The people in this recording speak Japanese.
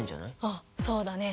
あっそうだね。